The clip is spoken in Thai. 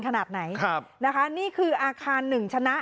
ขนาดไหนครับนะคะนี่คืออาคารหนึ่งชนะ